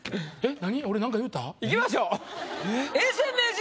何？